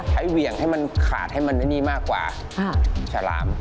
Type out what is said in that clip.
เหวี่ยงให้มันขาดให้มันไม่นี่มากกว่าฉลาม